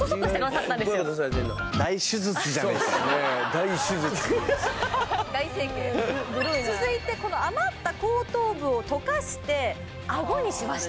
大手術大整形続いてこの余った後頭部を溶かして顎にしました